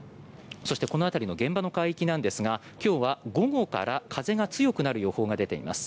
そしてこの辺りの現場の海域なんですが今日は午後から風が強くなる予報が出ています。